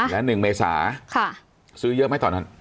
และ๑เมษาซื้อเยอะไหมตอนนั้น